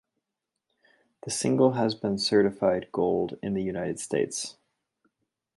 The single has been certified Gold in the United States.